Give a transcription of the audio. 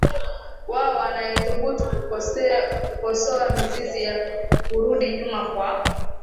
wao anayethubutu kukosoa mizizi ya kurudi nyuma kwa